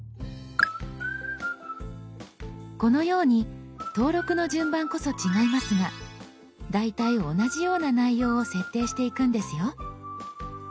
このように登録の順番こそ違いますが大体同じような内容を設定していくんですよ。